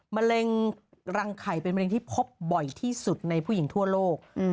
รังรังไข่เป็นมะเร็งที่พบบ่อยที่สุดในผู้หญิงทั่วโลก